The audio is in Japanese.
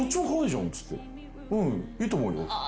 うんいいと思うよ。